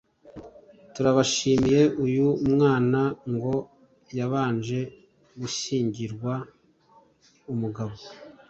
turabashimiye.uyu mwana ngo yabanje gushyingirwa umugabo